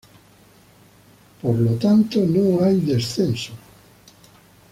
Por lo tanto, no hay descensos.